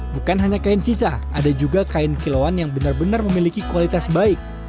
bukan hanya kain sisa ada juga kain kilauan yang benar benar memiliki kualitas baik